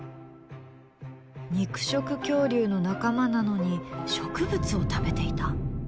肉食恐竜の仲間なのに植物を食べていた？